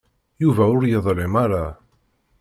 Yuba ur yeḍlim ara.